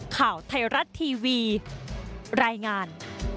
ข่าวไทยรัฐทีวีรายงาน